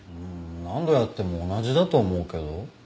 何度やっても同じだと思うけど。